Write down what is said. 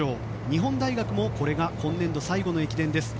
日本大学もこれが本年度最後の出場です。